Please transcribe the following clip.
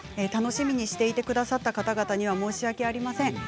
楽しみにしていてくださった皆様申し訳ありません。